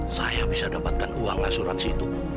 saya bisa dapatkan uang asuransi itu